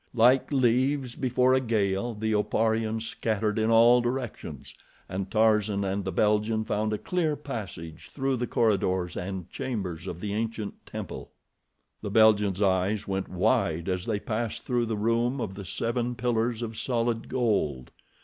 Like leaves before a gale, the Oparians scattered in all directions and Tarzan and the Belgian found a clear passage through the corridors and chambers of the ancient temple. The Belgian's eyes went wide as they passed through the room of the seven pillars of solid gold.